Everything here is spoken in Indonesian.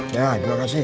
ya terima kasih